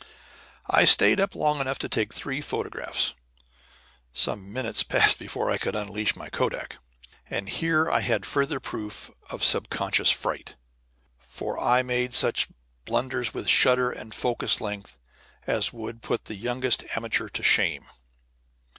I stayed up long enough to take three photographs (some minutes passed before I could unlash my kodak), and here I had further proof of subconscious fright, for I made such blunders with shutter and focus length as would put the youngest amateur to shame.